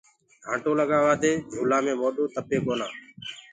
ڍآٽو لگآوآ دي جھولآ مي موڏو تپي ڪونآ۔